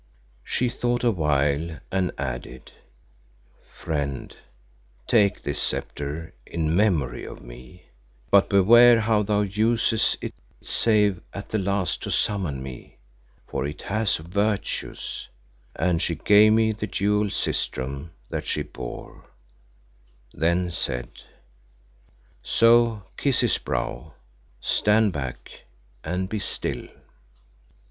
She thought awhile and added, "Friend take this sceptre in memory of me, but beware how thou usest it save at the last to summon me, for it has virtues," and she gave me the jewelled Sistrum that she bore then said, "So kiss his brow, stand back, and be still."